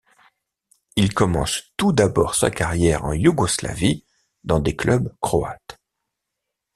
Il commence tout d'abord sa carrière en Yougoslavie dans des clubs croates.